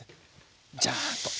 ジャーッと。